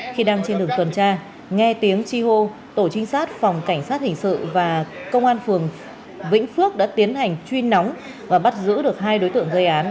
khi đang trên đường tuần tra nghe tiếng chi hô tổ trinh sát phòng cảnh sát hình sự và công an phường vĩnh phước đã tiến hành truy nóng và bắt giữ được hai đối tượng gây án